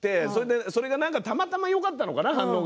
それがたまたまよかったのかな反応が。